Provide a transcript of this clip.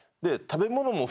食べ物は。